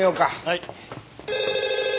はい。